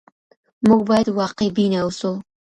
موږ بايد واقعبينه اوسو.